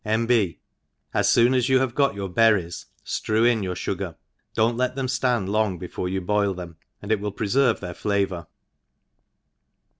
— iVI B. As foon as you have got your ber ries, ftrew in your fugar, do not let them ftaod long before you boil them i it will prefervc their flavour.